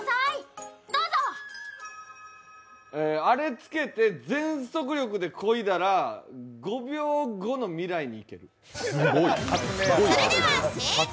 あれつけて全速力でこいだら５秒後の未来に行ける。